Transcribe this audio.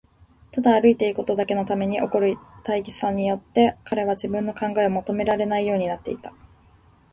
ただ歩いていくことだけのために起こる大儀さによって、彼は自分の考えをまとめられないようになっていた。